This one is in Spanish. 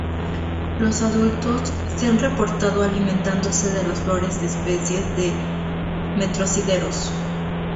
Los adultos se han reportado alimentándose de las flores de especies de "Metrosideros".